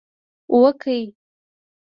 وکړه